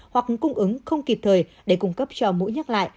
hoặc cung ứng không kịp thời để cung cấp cho mũi nhắc lại